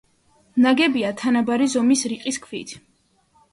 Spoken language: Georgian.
ნაგებია თანაბარი ზომის რიყის ქვით.